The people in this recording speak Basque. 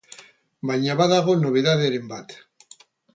Baina badago nobedaderen bat.